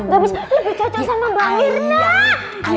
ngga bisa lebih cocok sama mbak mirna